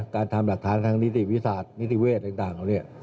การทำหลักฐานทั้งนิสิวิสาธิ์นิสิเวศต์ต่างเขาเนี่ย